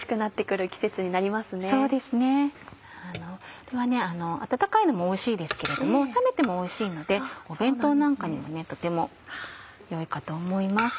これは温かいのもおいしいですけれども冷めてもおいしいので弁当なんかにもとても良いかと思います。